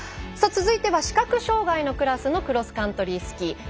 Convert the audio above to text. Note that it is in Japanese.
続いては視覚障がいのクラスのクロスカントリースキー。